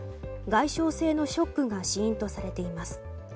外傷性のショックが死因とされています。